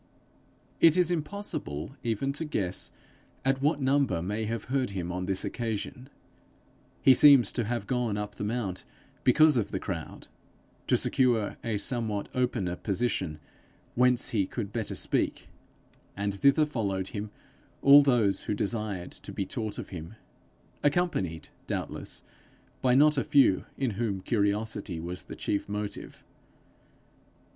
It is impossible even to guess at what number may have heard him on this occasion: he seems to have gone up the mount because of the crowd to secure a somewhat opener position whence he could better speak; and thither followed him those who desired to be taught of him, accompanied doubtless by not a few in whom curiosity was the chief motive.